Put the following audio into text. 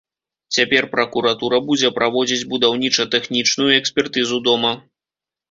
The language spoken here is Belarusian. Цяпер пракуратура будзе праводзіць будаўніча-тэхнічную экспертызу дома.